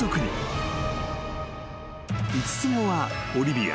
［五つ子はオリビア。